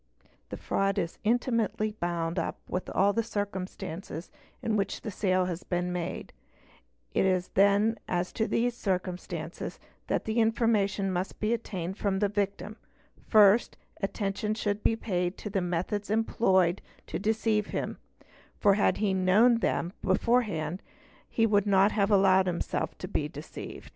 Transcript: The fraud is intimately bound up with all the circumstances in which the sale has been made; it is then as to these circumstances that information must be obtained from the victim ; first, attention should be paid to the methods employed to "deceive him, for had he known them beforehand he would not have allowed himself to the deceived.